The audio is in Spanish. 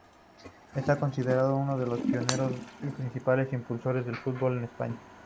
Está considerado uno de los pioneros y principales impulsores del fútbol en España.